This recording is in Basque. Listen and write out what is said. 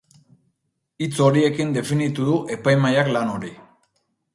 Hitz horiekin definitu du epaimahaiak lan hori.